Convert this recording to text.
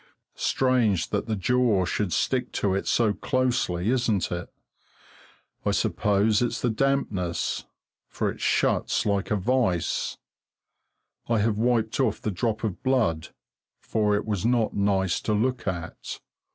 Strange that the jaw should stick to it so closely, isn't it? I suppose it's the dampness, for it shuts like a vice I have wiped off the drop of blood, for it was not nice to look at.